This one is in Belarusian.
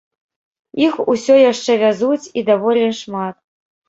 Іх усё яшчэ вязуць, і даволі шмат.